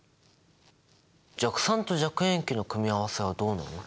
弱酸と弱塩基の組み合わせはどうなるの？